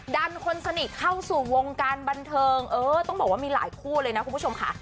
ดันคนสนิทเข้าสู่วงการบันเทิงเออต้องบอกว่ามีหลายคู่เลยนะคุณผู้ชมค่ะ